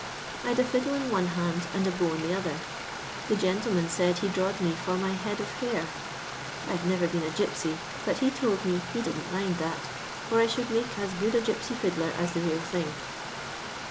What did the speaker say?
I 'd a fiddle in one hand and a bow in the other. The fntleman said he drawed me for my head of hair, ve never been a gipsy, but he told me he didn't mind that, for I should make as good a gipsy fiddler as the real thing.